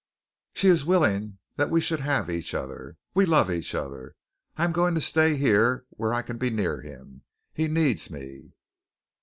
She is willing that we should have each other. We love each other. I am going to stay here where I can be near him. He needs me."